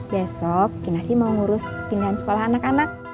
besok kinasi mau ngurus pindahan sekolah anak anak